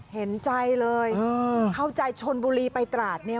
เห็นใจเลยเข้าใจชนบุรีไปตราดเนี่ย